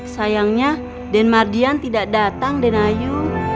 sayangnya den mardian tidak datang den ayu